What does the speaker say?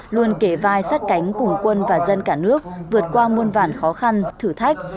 luôn kề vai sát cánh cùng quân và dân cả nước vượt qua muôn vản khó khăn thử thách